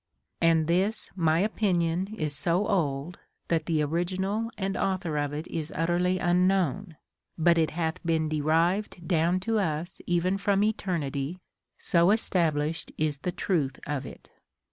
And this my opinion is so old, that the original and author of it is utterly unknown ; but it hath been derived down to us even from eternity, so established is the truth of it.